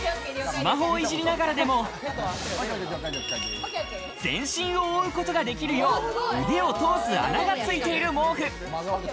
スマホをいじりながらでも全身を覆うことができるよう腕を通す穴がついている毛布。